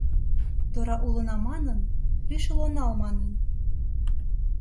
Тора улына манын, лишыл онал манын